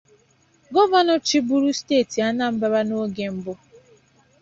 gọvanọ chịbụrụ steeti Anambra n'oge mbụ